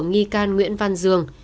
nghi can nguyễn văn dương